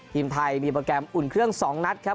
ทีมไทยมีโปรแกรมอุ่นเครื่อง๒นัดครับ